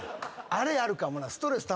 あれあるかもな。